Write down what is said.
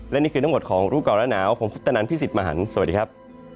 และนี่คือน้ำหมดของรูปเกาะและหนาวผมพุธตนันท์พี่สิทธิ์มหันธ์สวัสดีครับ